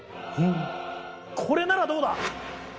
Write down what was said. これならどうだ！